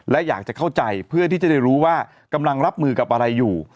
และอยากจะเข้าใจเพื่อที่จะได้รู้ว่ากำลังรับมือกับอะไรอยู่